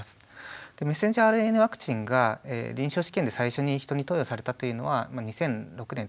ｍＲＮＡワクチンが臨床試験で最初に人に投与されたというのは２００６年と。